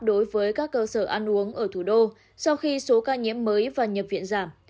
đối với các cơ sở ăn uống ở thủ đô sau khi số ca nhiễm mới và nhập viện giảm